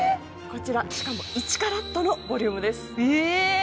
こちらしかも１ｃｔのボリュームですえ！